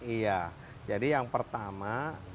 iya jadi yang pertama